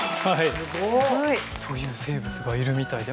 すごい。という生物がいるみたいで。